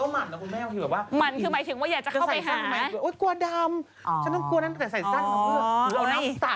มันคือหมายถึงว่าอยากจะเข้าไปห่างไหม